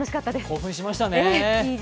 興奮しましたね。